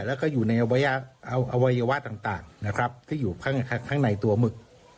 แล้วก็อยู่ในอวัยวะต่างนะครับที่อยู่ข้างในตัวหมึก